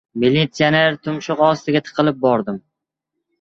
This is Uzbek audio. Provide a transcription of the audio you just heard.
Militsioner tumshug‘i ostiga tiqilib bordim.